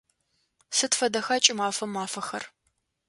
Сыд фэдэха кӏымафэм мафэхэр?